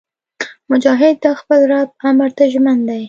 مجاهد د خپل رب امر ته ژمن دی.